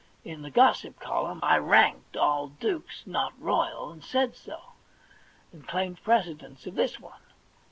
In the gossip column I ranked all dukes not royal, and said so, and claimed precedence of this one.